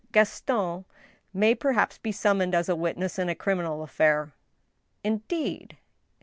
Gaston may perhaps be summoned as a witness in a criminal affair." " Indeed